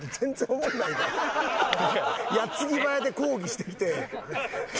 矢継ぎ早で抗議してきてなんか全然。